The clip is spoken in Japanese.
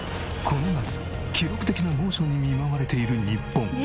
この夏記録的な猛暑に見舞われている日本。